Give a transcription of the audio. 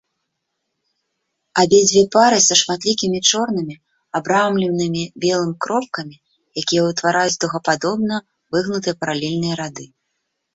Абедзве пары са шматлікімі чорнымі абрамленымі белым кропкамі, якія ўтвараюць дугападобна выгнутыя паралельныя рады.